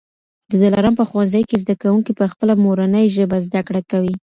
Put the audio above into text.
د دلارام په ښوونځي کي زده کوونکي په خپله مورنۍ ژبه زده کړه کوي.